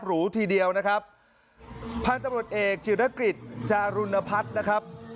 หรูทีเดียวนะครับพันธุ์ตำรวจเอกจินกฤษจารุณพัฒน์นะครับ